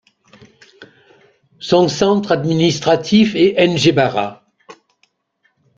Son centre administratif est Enjebara.